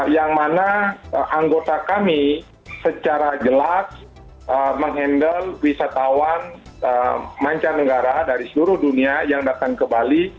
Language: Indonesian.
yang mana anggota kami secara jelas mengendal wisatawan mancanegara dari seluruh dunia yang datang ke bali